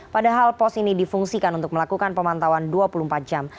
padahal pos ini difungsikan untuk melakukan pemantauan dua puluh empat jam